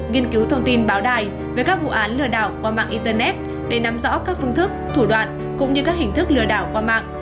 nghiên cứu thông tin báo đài về các vụ án lừa đảo qua mạng internet để nắm rõ các phương thức thủ đoạn cũng như các hình thức lừa đảo qua mạng